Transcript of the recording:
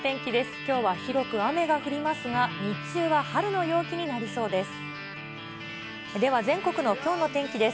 きょうは広く雨が降りますが、日中は春の陽気になりそうです。